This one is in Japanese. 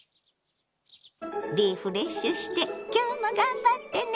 リフレッシュして今日も頑張ってね！